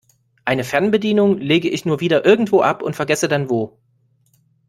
Eine Fernbedienung lege ich nur wieder irgendwo ab und vergesse dann wo.